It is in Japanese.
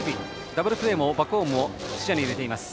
ダブルプレーもバックホームも視野に入れています。